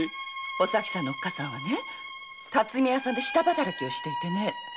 お咲さんのおっかさんは巽屋さんで下働きしていてね